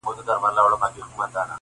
• پر سر وا مي ړوه یو مي سه تر سونډو,